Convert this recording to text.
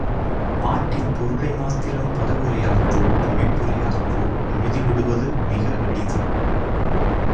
பாட்டின் பொருளை மாத்திரம் பதவுரையாகவோ பொழிப்புரையாகவோ எழுதிவிடுவது மிக எளிது.